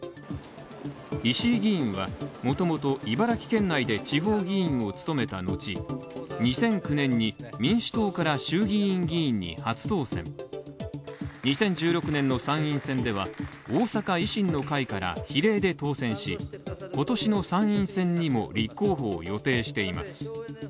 石井議員は元々茨城県内で地方議員を務めた後、２００９年に民主党から衆議院議員に初当選、２０１６年の参院選では、おおさか維新の会から比例で当選し、今年の参院選にも立候補を予定しています。